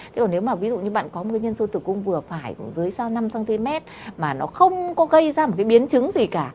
thế còn nếu mà ví dụ như bạn có một nguyên nhân sâu tử cung vừa phải dưới sau năm cm mà nó không có gây ra một cái biến chứng gì cả